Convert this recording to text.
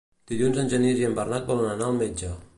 Dilluns en Genís i en Bernat volen anar al metge.